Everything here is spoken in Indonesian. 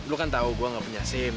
lu kan tahu gue gak punya sim